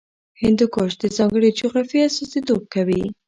هندوکش د ځانګړې جغرافیې استازیتوب کوي.